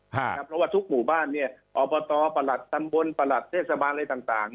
เพราะว่าทุกหมู่บ้านเนี่ยอบตประหลัดตำบลประหลัดเทศบาลอะไรต่าง